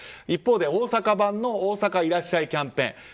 一方で大阪版の大阪いらっしゃいキャンペーン。